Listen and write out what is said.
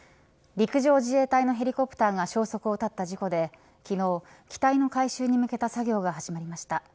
陸上自衛隊のヘリコプターが消息を絶った事故で昨日、機体の回収に向けた作業が始まりました。